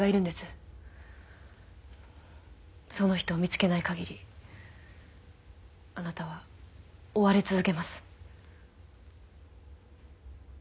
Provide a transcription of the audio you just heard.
その人を見つけないかぎりあなたは追われ続けます。